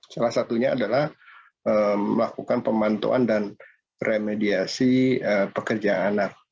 salah satunya adalah melakukan pemantauan dan remediasi pekerja anak